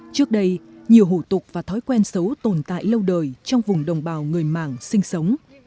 trước đây nhiều hủ tục và thói quen xấu tồn tại lâu đời trong vùng đồng bào người mạng sinh sống